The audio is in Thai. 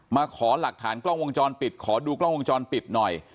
มาขอหลักฐานกล้องวงจรปิดขอดูกล้องวงจรปิดหน่อย